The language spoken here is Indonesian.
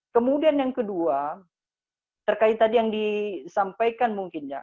kemudian yang kedua terkait tadi yang disampaikan mungkin ya